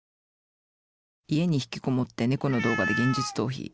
家に引きこもってネコの動画で現実逃避。